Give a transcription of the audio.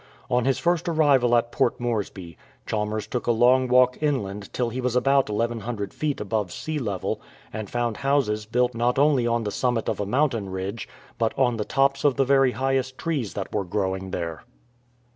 On his first arrival at Port Moresby, Chalmers took a long walk inland till he was about 1100 feet above sea level, and found houses built not only on the summit of a mountain ridge, but on the tops of the very highest trees that were growing there.